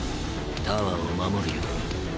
タワーを守るように。